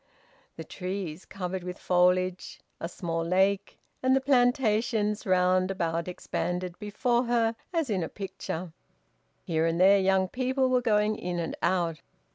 The trees covered with foliage, a small lake, and the plantations round about expanded before her as in a picture. Here and there young people were going in and out.